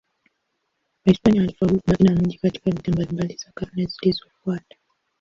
Wahispania walifaulu kubaki na mji katika vita mbalimbali za karne zilizofuata.